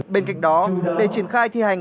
bên cạnh đó để triển khai thi hành